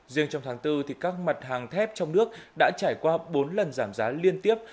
riêng trong tháng bốn các mặt hàng thép trong nước đã trải qua bốn lần giảm giá liên tiếp